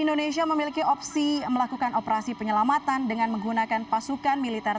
indonesia memiliki opsi melakukan operasi penyelamatan dengan menggunakan pasukan militer